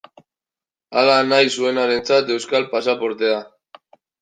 Hala nahi zuenarentzat euskal pasaportea.